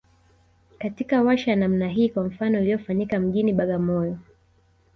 katika warsha ya namna hii kwa mfano iliyofanyikia mjini Bagamoyo